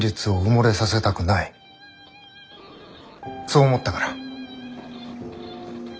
そう思ったから。